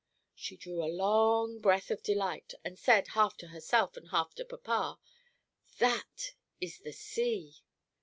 She drew a long breath of delight, and said, half to herself and half to papa, "That is the sea!"